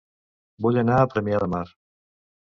Vull anar a Premià de Mar